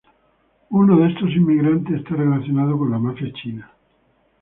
Uno de estos inmigrantes está relacionado con la mafia china.